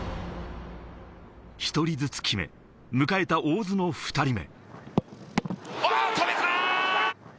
１人ずつ決め、迎えた大津の２人目。